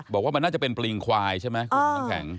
บอกว่าน่าจะเป็นปลิงควายใช่ไหม